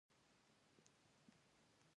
ایا د پوستکي رنګ مو بدل شوی دی؟